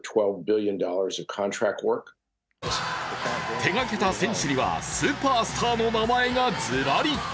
手がけた選手にはスーパースター選手の名前がずらり。